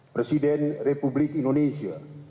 presiden republik indonesia